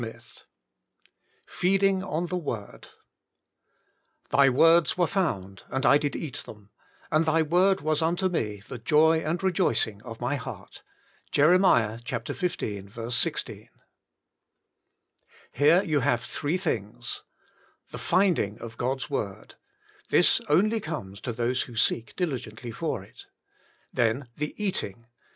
XXIII FEEDING ON THE T70ED " Thy words were found and I did eat them ; and Thy word was unto me the joy and rejoicing of my heart." — Jeb. xv. 16. Here you have three things. The Finding of God's word. This only comes to those who seek diligently for it. Then the Eating.